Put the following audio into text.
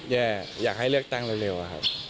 อยากให้เลือกตั้งเร็วครับ